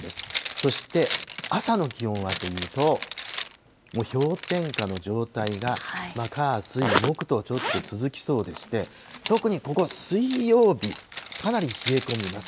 そして朝の気温はというと、もう氷点下の状態が火、水、木と、ちょっと続きそうでして、特にここ、水曜日、かなり冷え込みます。